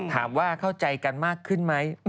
ถามว่าเข้าใจกันมากขึ้นไหม